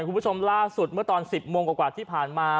คุณผู้ชมล่าสุดเมื่อตอน๑๐โมงกว่าที่ผ่านมา